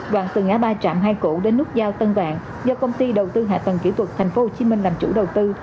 và từ ngã ba trạm hai cụ đến nút giao tân vạn do công ty đầu tư hạ tầng kỹ thuật thành phố hồ chí minh làm chủ đầu tư